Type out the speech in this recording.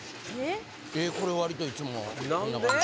これ割といつもこんな感じ？